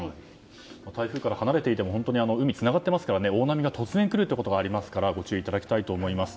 台風から離れていても海はつながっていますから大波が突然来ることがありますからご注意いただきたいと思います。